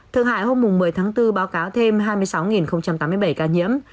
thượng hải hôm một mươi tháng bốn báo cáo thêm hai mươi sáu tám mươi bảy ca nhiễm